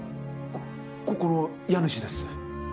ここの家主です。